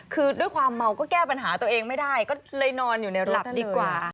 คือด้วยความเมาก็แก้ปัญหาตัวเองไม่ได้ก็เลยนอนอยู่ในหลับดีกว่า